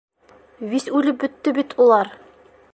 Вис үлеп бөттө бит улар!